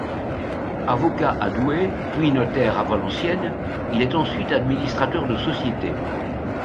Avocat à Douai, puis notaire à Valenciennes, il est ensuite administrateur de sociétés.